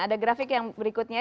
ada grafik yang berikutnya